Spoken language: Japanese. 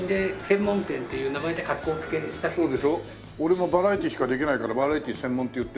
俺もバラエティーしかできないからバラエティー専門って言ってるんだけど。